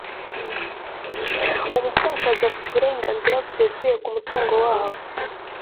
umupfakazi afite uburenganzira busesuye ku mu tungo wabo